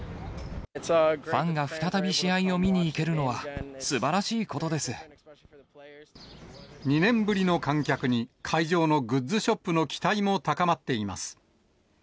ファンが再び試合を見に行け２年ぶりの観客に、会場のグッズショップの期待も高まっています。